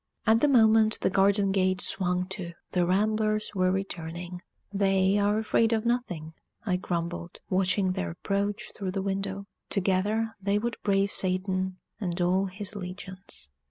At that moment the garden gate swung to; the ramblers were returning. "They are afraid of nothing," I grumbled, watching their approach through the window. "Together they would brave Satan and all his legions."